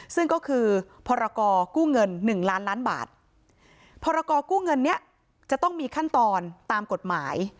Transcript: ซึ่งก็คือพรกู้เงินหนึ่งล้านล้านบาทพรกู้เงินเนี้ยจะต้องมีขั้นตอนตามกฎหมาย